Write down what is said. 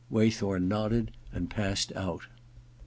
Waythorn nodded and passed out.